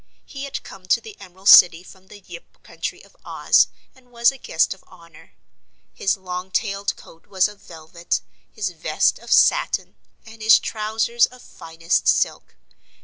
He had come to the Emerald City from the Yip Country of Oz and was a guest of honor. His long tailed coat was of velvet, his vest of satin and his trousers of finest silk.